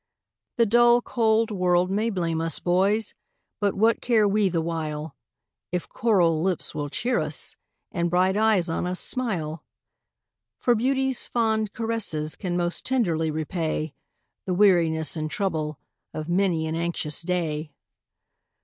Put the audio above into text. The dull, cold world may blame us, boys! but what care we the while, If coral lips will cheer us, and bright eyes on us smile? For beauty's fond caresses can most tenderly repay The weariness and trouble of many an anxious day.